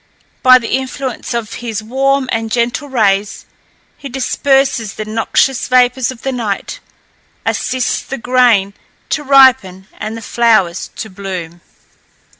By the influence of his warm and gentle rays he disperses the noxious vapours of the night, assists the grain to ripen and the flowers to bloom.